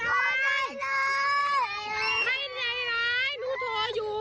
ให้ใจร้ายหนูโทรอยู่